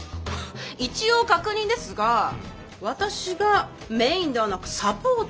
一応確認ですが私がメインではなくサポートですか？